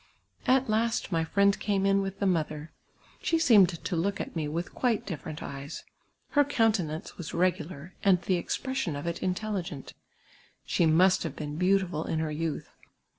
At last my friend came in with the mother. She seemed to look at me vnih quite different eyes. Her countenance was regular, and the expression of it intelligent ; she must have been beautiful in her youth.